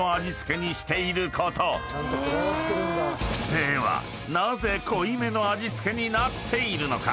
［ではなぜ濃いめの味付けになっているのか？］